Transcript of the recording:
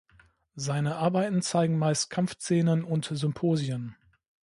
Seine Arbeiten zeigen meist Kampfszenen und Symposien.